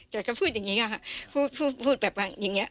แต่ก็พูดอย่างนี้ค่ะพูดพูดแบบอย่างนี้